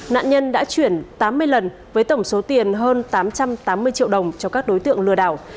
nạn nhân đã chuyển tám mươi lần với tổng số tiền hơn tám trăm tám mươi triệu đồng cho các đối tượng lừa đảo